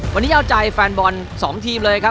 วันนี้เอาใจแฟนบอล๒ทีมเลยครับ